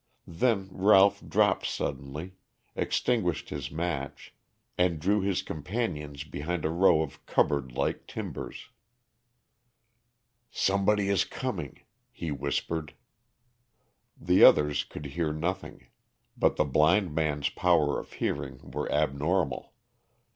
Then Ralph dropped suddenly, extinguished his match, and drew his companions behind a row of cupboard like timbers. "Somebody is coming," he whispered. The others could hear nothing. But the blind man's powers of hearing were abnormal.